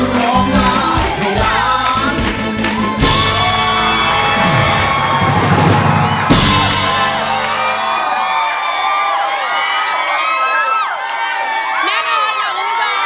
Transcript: ร้องได้ให้ร้าง